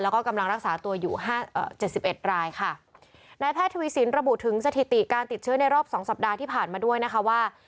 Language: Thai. แล้วก็กำลังรักษาตัวอยู่๗๑รายค่ะนายแพทย์ทุยศิลป์ระบุถึงสถิติการติดเชื้อในรอบ๒สัปดาห์ที่ผ่านมาด้วยนะคะว่า